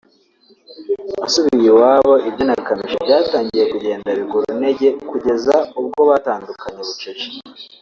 asubiye iwabo ibye na Kamichi byatangiye kugenda biguru ntege kugeza ubwo batandukanye bucece